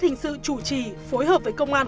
hình sự chủ trì phối hợp với công an